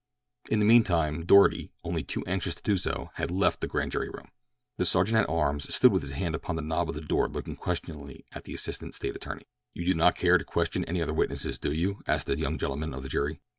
In the mean time, Doarty, only too anxious to do so, had left the grand jury room. The sergeant at arms stood with his hand upon the knob of the door looking questioningly at the assistant State attorney. "You do not care to question any other witnesses, do you?" asked that young gentleman of the jury.